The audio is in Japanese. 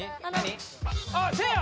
あっせいや！